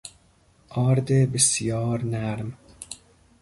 آرد بسیار نرم